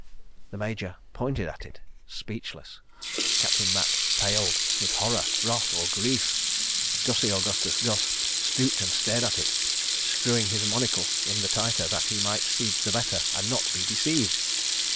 The Major pointed at it, speechless. Captain Macke paled—with horror, wrath or grief. Gussie Augustus Gus stooped and stared at it, screwing his monocle in the tighter, that he might see the better and not be deceived.